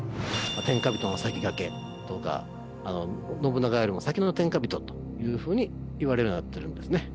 天下人の先駆けとか信長よりも先の天下人というふうにいわれるようになってるんですね。